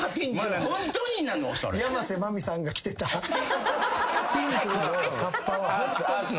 山瀬まみさんが着てたピンクのカッパは。